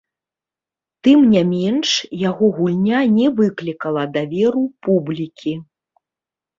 Тым не менш, яго гульня не выклікала даверу публікі.